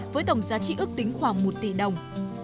với tổng giá trị ước tính khoảng một tỷ đồng